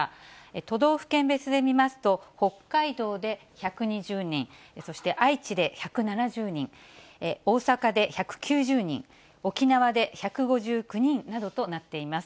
都道府県別で見ますと、北海道で１２０人、そして愛知で１７０人、大阪で１９０人、沖縄で１５９人などとなっています。